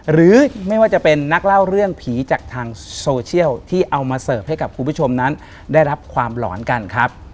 หรือไม่ว่าจะเป็นนักเล่าเรื่องผีจากทางโซเชียลที่เอามาเสิร์ฟให้กับคุณผู้ชมนั้นได้รับความหลอนกันครับ